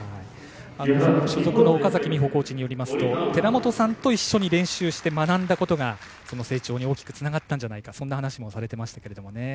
同じ所属の岡崎美穂コーチによりますと寺本さんと練習して学んだことが成長に大きくつながったんじゃないかという話もされてましたね。